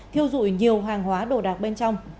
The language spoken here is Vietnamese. thiêu dụi nhiều hàng hóa đồ đạc bên trong